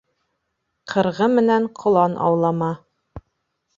Ҡырғыменән ҡолан аулама.